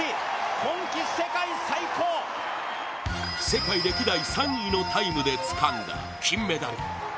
世界歴代３位のタイムでつかんだ金メダル。